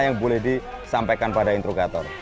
yang boleh disampaikan pada interugator